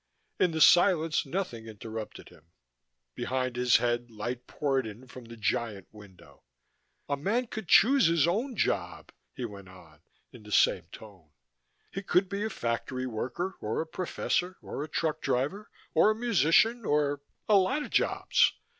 In the silence nothing interrupted him: behind his head light poured in from the giant window. "A man could choose his own job," he went on, in the same tone. "He could be a factory worker or a professor or a truck driver or a musician or a lot of jobs.